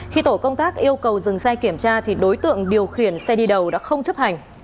khi tổ công tác yêu cầu dừng xe kiểm tra thì đối tượng điều khiển xe đi đầu đã không chấp hành